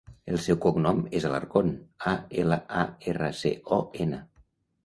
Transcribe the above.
El seu cognom és Alarcon: a, ela, a, erra, ce, o, ena.